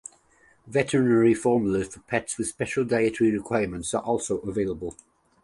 Veterinary formulas for pets with special dietary requirements are also available.